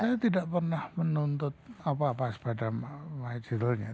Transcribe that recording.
saya tidak pernah menuntut apa apa pada majirulnya